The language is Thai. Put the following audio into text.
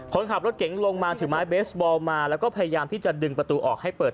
คนขับรถเก๋งลงมาถือไม้เบสบอลมาแล้วก็พยายามที่จะดึงประตูออกให้เปิด